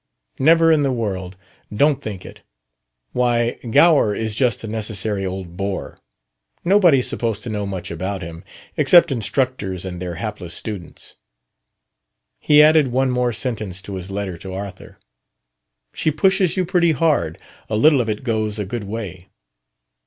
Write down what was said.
"Never in the world! Don't think it! Why, Gower is just a necessary old bore. Nobody's supposed to know much about him except instructors and their hapless students." He added one more sentence to his letter to "Arthur": "She pushes you pretty hard. A little of it goes a good way..."